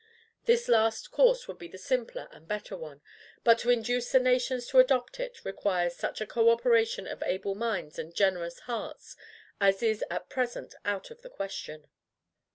This last course would be the simpler and better one; but, to induce the nations to adopt it, requires such a co operation of able minds and generous hearts as is at present out of the question.